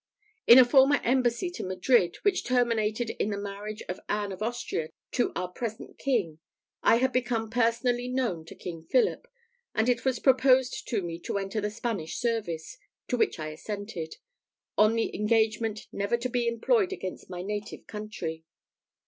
In a former embassy to Madrid, which terminated in the marriage of Anne of Austria to our present king, I had become personally known to King Philip; and it was proposed to me to enter the Spanish service, to which I assented, on the engagement never to be employed against my native country.